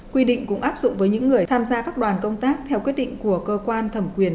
quy định cũng áp dụng với những người tham gia các đoàn công tác theo quyết định của cơ quan thẩm quyền